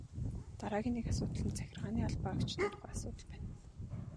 Дараагийн нэг асуудал нь захиргааны албан хаагчдын тухай асуудал байна.